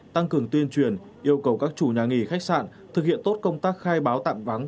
tăng cường tuyên truyền yêu cầu các chủ nhà nghỉ khách sạn thực hiện tốt công tác khai báo tạm vắng